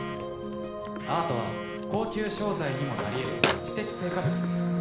アートは高級商材にもなり得る知的成果物です